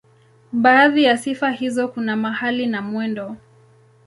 Baadhi ya sifa hizo kuna mahali na mwendo.